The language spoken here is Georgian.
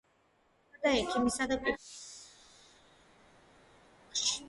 დაიბადა ექიმისა და კვიპროსის კომუნისტური პარტიის წევრის ოჯახში.